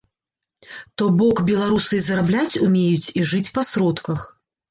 То бок, беларусы і зарабляць умеюць, і жыць па сродках.